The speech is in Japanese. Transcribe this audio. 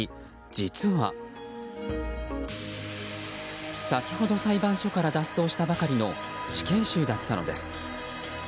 実は先ほど裁判所から脱走したばかりの死刑囚だったのです。